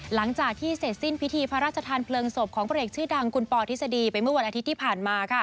หลังจากที่เสร็จสิ้นพิธีพระราชทานเพลิงศพของพระเอกชื่อดังคุณปอทฤษฎีไปเมื่อวันอาทิตย์ที่ผ่านมา